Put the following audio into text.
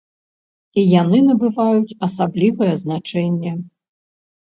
І яны набываюць асаблівае значэнне.